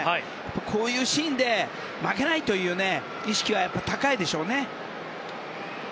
こういうシーンで負けないという意識はやっぱり、高いでしょうね。